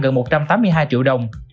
gần một trăm tám mươi hai triệu đồng